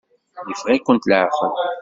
Yeffeɣ-ikent leɛqel.